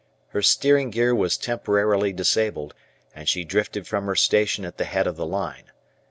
Her steering gear was temporarily disabled, and she drifted from her station at the head of the line.